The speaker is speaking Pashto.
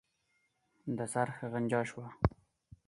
د څرخ غنجا شوه.